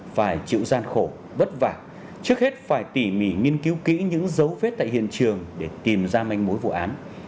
phải chịu gian khổ vất vả trước hết phải tỉ mỉ nghiên cứu kỹ những dấu vết tại hiện trường để tìm ra manh mối vụ án